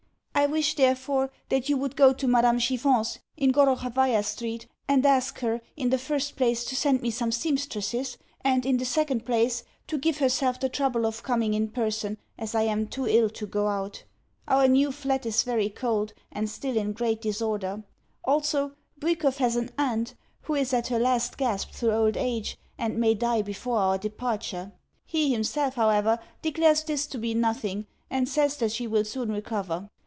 I wish, therefore, that you would go to Madame Chiffon's, in Gorokhovaia Street, and ask her, in the first place, to send me some sempstresses, and, in the second place, to give herself the trouble of coming in person, as I am too ill to go out. Our new flat is very cold, and still in great disorder. Also, Bwikov has an aunt who is at her last gasp through old age, and may die before our departure. He himself, however, declares this to be nothing, and says that she will soon recover.